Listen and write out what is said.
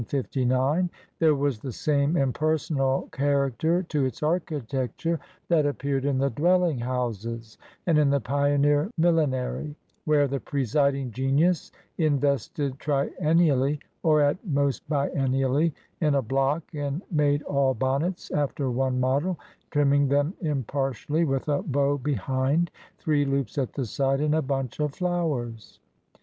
There was the same impersonal character to its architecture that appeared in the dwelling houses and in the pioneer mil linery, where the presiding genius invested triennially, or at most biennially, in a block, and made all bonnets after one model, trimming them impartially with a bow behind, three loops at the side, and a bunch of flowers.